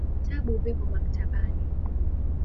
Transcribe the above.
vitabu vipo maktabani